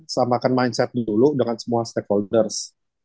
samakan mindset dulu dengan semua stakeholders